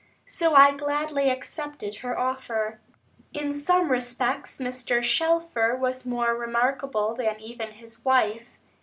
So I gladly accepted her offer. In some respects, Mr. Shelfer was more remarkable than even his wife.